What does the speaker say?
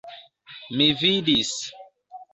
Mi vidis.